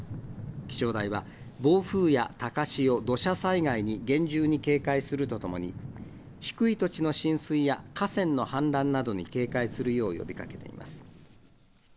気象台は、暴風や高潮、土砂災害に厳重に警戒するとともに、低い土地の浸水や河川の氾濫などに警戒するよう呼びかけています。